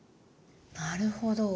なるほど。